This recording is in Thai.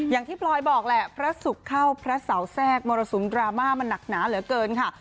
พลอยบอกแหละพระศุกร์เข้าพระเสาแทรกมรสุมดราม่ามันหนักหนาเหลือเกินค่ะ